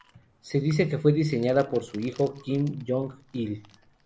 Se dice que fue diseñada por su hijo, Kim Jong-il.